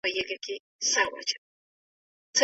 موږ له دوی زده کوو او دوی له موږ.